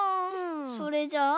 それじゃあ。